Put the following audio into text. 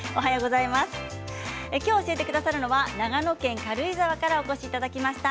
今日、教えてくださるのは長野県軽井沢からお越しいただきました